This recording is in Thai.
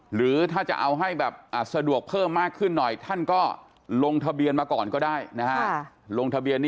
หรือถ้าจะเอาให้แบบสะดวกเพิ่มมากขึ้นหน่อยท่านก็ลงทะเบียนมาก่อนก็ได้นะฮะ